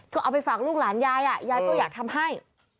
ก็เอาไปฝากลูกหลานยายยายก็อยากทำให้